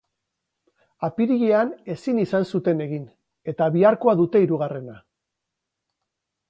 Apirilean ezin izan zuten egin, eta biharkoa dute hirugarrena.